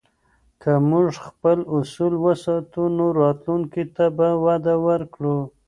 که موږ خپل اصول وساتو، نو راتلونکي ته به وده ورکوو.